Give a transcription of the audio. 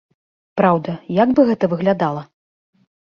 Праўда, як бы гэта выглядала?